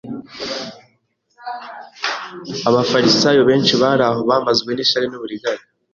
Abafarisayo benshi bari aho, bamazwe n'ishyari n'uburiganya,